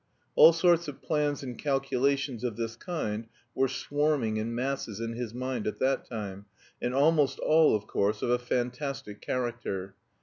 All sorts of plans and calculations of this kind were swarming in masses in his mind at that time, and almost all, of course, of a fantastic character.